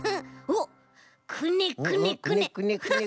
おっくねくねくね。